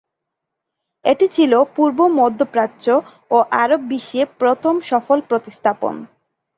এটি ছিল পূর্ব মধ্যপ্রাচ্য ও আরব বিশ্বে প্রথম সফল প্রতিস্থাপন।